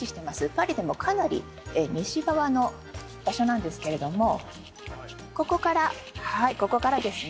パリでもかなり西側の場所なんですけれどもここからはいここからですね